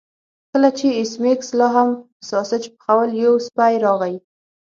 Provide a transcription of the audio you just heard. کله چې ایس میکس لاهم ساسج پخول یو سپی راغی